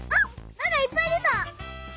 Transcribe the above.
なんかいっぱいでた！